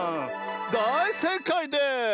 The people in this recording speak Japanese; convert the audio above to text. だいせいかいです！